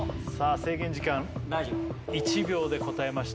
制限時間大丈夫１秒で答えました